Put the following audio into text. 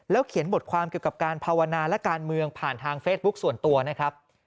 เขียนบทความเกี่ยวกับการภาวนาและการเมืองผ่านทางเฟซบุ๊คส่วนตัวนะครับ